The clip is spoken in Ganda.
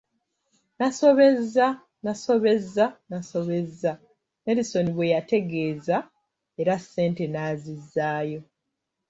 Nasobezza, nasobezza, nasobezza, Nelisoni bwe yategeeza era sente n'azizaayo.